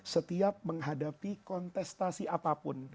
setiap menghadapi kontestasi apapun